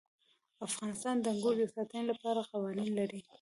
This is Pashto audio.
افغانستان د انګورو د ساتنې لپاره قوانین لري.